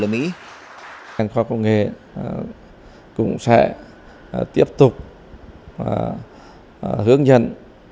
cơ quan công nghiệp cũng sẽ tiếp tục hướng dẫn